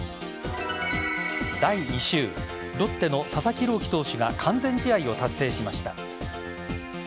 第２週ロッテの佐々木朗希投手が完全試合を達成しました。